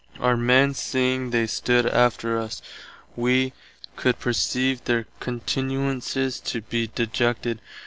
Our men, seeing they stood after us, [wee] could perceive their countinances to be dejected.